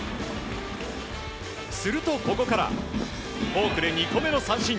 すると、ここからフォークで２個目の三振。